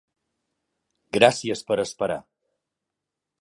Gràcies per esperar.